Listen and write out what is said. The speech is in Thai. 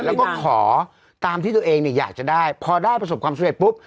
แล้วก็ขอตามที่ตัวเองเนี่ยอยากจะได้พอได้ประสบความสำเร็จปุ๊บ